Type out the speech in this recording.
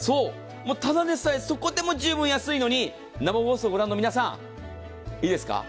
ただでさえそこでも十分安いのに生放送をご覧の皆さんいいですか？